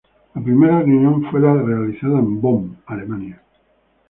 La primera reunión fue la realizada en Bonn, Alemania.